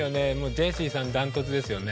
ジェシーさんダントツですよね。